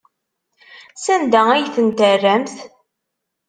Sanda ay ten-terramt?